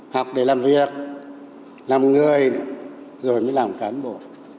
học để làm việc làm người rồi mới làm cán bộ